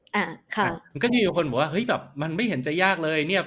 อ่าค่ะมันก็จะมีคนบอกว่าเฮ้ยแบบมันไม่เห็นจะยากเลยเนี่ย